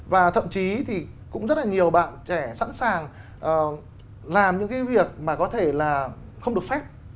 và thậm chí thì cũng rất là nhiều bạn trẻ sẵn sàng làm những cái việc mà có thể là không được phép